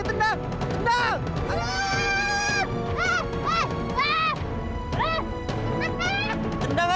tendang aja tendang tendang